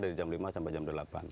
dari jam lima sampai jam delapan